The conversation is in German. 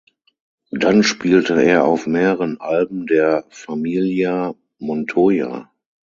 Dann spielte er auf mehreren Alben der "Familia Montoya".